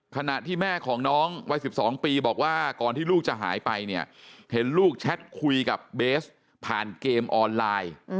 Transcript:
ขณะที่แม่ของน้องวัย๑๒ปีบอกว่าก่อนที่ลูกจะหายไปเนี่ยเห็นลูกแชทคุยกับเบสผ่านเกมออนไลน์